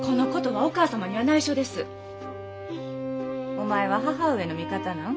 お前は母上の味方なん？